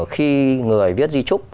khi người viết dí trúc